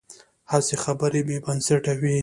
هسې خبرې بې بنسټه وي.